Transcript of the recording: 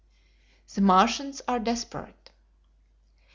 The Martians Are Desperate.